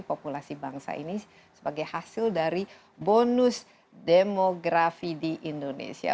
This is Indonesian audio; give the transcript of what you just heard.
populasi bangsa ini sebagai hasil dari bonus demografi di indonesia